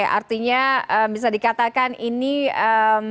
oke artinya bisa dikatakan ini endokrin